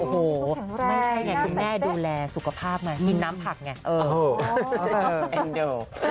โอ้โหไม่ใช่ไงคุณแม่ดูแลสุขภาพไงกินน้ำผักไงแอนเดอร์